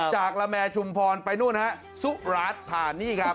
จากละแมร์ชุมพรไปนู่นฮะสุราชธานีครับ